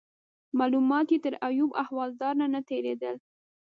معلومات یې تر ایوب احوالدار نه تیرېدل.